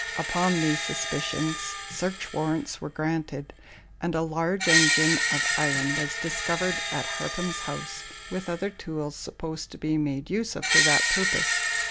Upon these suspicions search warrants were granted, and a large engine of iron was discovered at Harpham's house, with other tools supposed to be made use of for that purpose.